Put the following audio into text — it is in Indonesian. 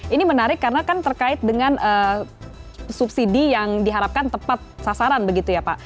ini menarik karena kan terkait dengan subsidi yang diharapkan tepat sasaran begitu ya pak